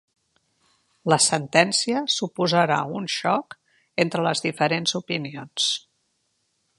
La sentència suposarà un xoc entre les diferents opinions.